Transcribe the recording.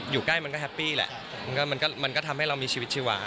อยู่ใกล้มันก็แฮปปี้แหละมันก็ทำให้เรามีชีวิตชีวา